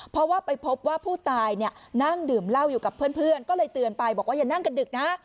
เพราะว่าไปพบว่าผู้ตายเนี่ยนั่งดื่มเหล้าอยู่กับเพื่อนก็เลยเตือนไปบอกว่าอย่านั่งกันดึกนะ